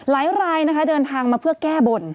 หลายรายนะคะเดินทางมาเพื่อแก้บน